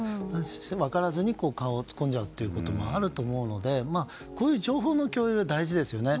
分からずに顔を突っ込むこともあると思うので、こういう情報の共有は大事ですよね。